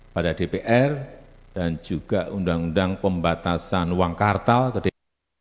pada dpr dan juga undang undang pembatasan uang kartal ke dpr